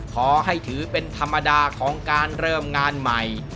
ขอให้ถือเป็นธรรมดาของการเริ่มงานใหม่